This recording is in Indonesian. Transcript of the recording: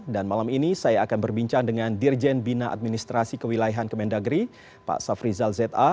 dan malam ini saya akan berbincang dengan dirjen bina administrasi kewilaihan kemendagri pak safrizal z a